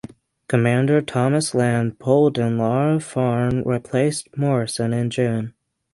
Commander Thomas Lamb Polden Laugharne replaced Morrison in June.